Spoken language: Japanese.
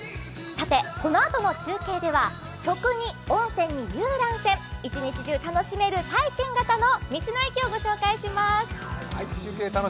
さて、このあとの中継では食に温泉に遊覧船、一日中楽しめる体験型の道の駅をご紹介します。